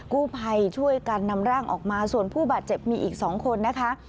กู้ภัยช่วยกันนำร่างออกมาส่วนผู้บาดเจ็บมีอีก๒คนนะคะ